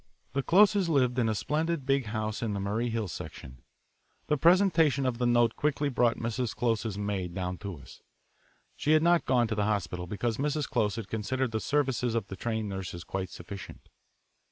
The Closes lived in a splendid big house in the Murray Hill section. The presentation of the note quickly brought Mrs. Close's maid down to us. She had not gone to the hospital because Mrs. Close had considered the services of the trained nurses quite sufficient.